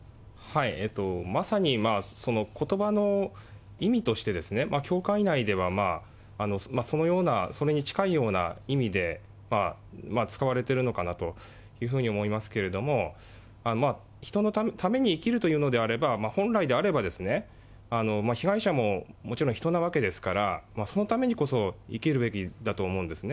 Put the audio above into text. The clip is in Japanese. まさにことばの意味として、教会内ではそのような、それに近いような意味で使われてるのかなというふうに、思いますけれども、人のために生きるというのであれば、本来であればですね、被害者ももちろん人なわけですから、そのためにこそ生きるべきだと思うんですね。